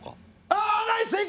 あナイス正解！